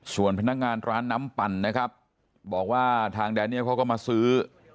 ส่วนพนักงานร้านน้ำปั่นนะครับบอกว่าทางแดเนียลเขาก็มาซื้อ